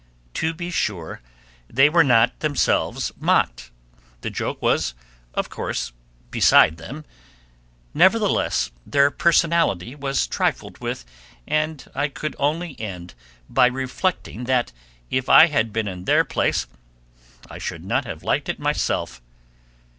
To be sure, they were not themselves mocked; the joke was, of course, beside them; nevertheless, their personality was trifled with, and I could only end by reflecting that if I had been in their place I should not have liked it myself.